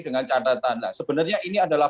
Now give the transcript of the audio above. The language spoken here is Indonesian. dengan catatan sebenarnya ini adalah